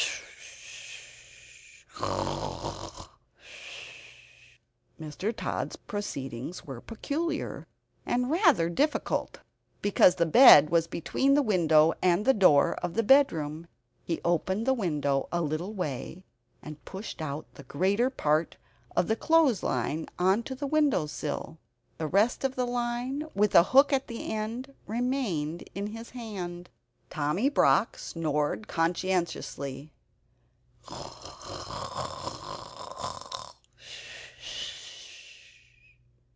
Mr. Tod's proceedings were peculiar, and rather difficult (because the bed was between the window and the door of the bedroom). He opened the window a little way, and pushed out the greater part of the clothes line on to the window sill. The rest of the line, with a hook at the end, remained in his hand. Tommy Brock snored conscientiously.